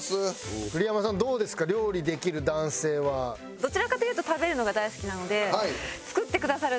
どちらかというと食べるのが大好きなので。